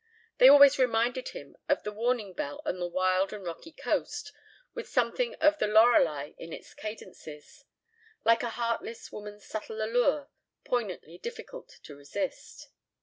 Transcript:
They always reminded him of the warning bell on a wild and rocky coast, with something of the Lorelei in its cadences: like a heartless woman's subtle allure, poignantly difficult to resist.